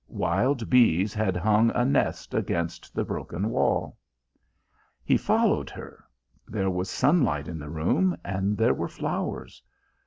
Wild bees had hung a nest against the broken wall. He followed her. There was sunlight in the room, and there were flowers.